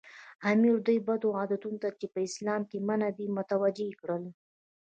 امیر دوی بدو عادتونو ته چې په اسلام کې منع دي متوجه کړل.